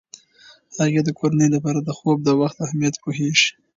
هغې د کورنۍ لپاره د خوب د وخت اهمیت پوهیږي.